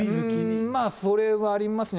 それはありますね。